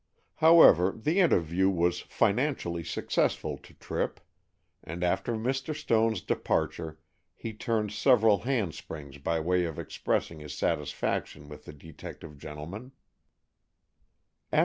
However, the interview was financially successful to Tripp, and after Mr. Stone's departure he turned several hand springs by way of expressing his satisfaction with the detective gentleman.